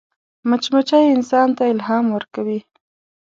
مچمچۍ انسان ته الهام ورکوي